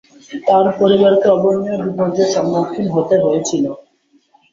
তার পরিবারকে অবর্ণনীয় বিপর্যয়ের সম্মুখীন হতে হয়েছিল।